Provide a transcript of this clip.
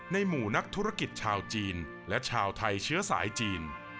หมู่นักธุรกิจชาวจีนและชาวไทยเชื้อสายจีน